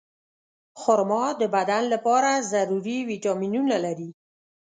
خرما د بدن لپاره ضروري ویټامینونه لري.